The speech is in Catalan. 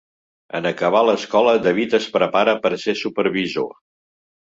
En acabar l'escola, David es prepara per ser supervisor.